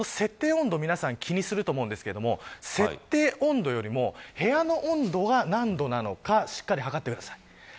温度皆さん気にすると思うんですけど設定温度よりも部屋の温度が何度なのかしっかり測ってください。